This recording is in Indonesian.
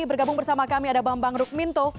bergabung bersama kami ada bambang rukminto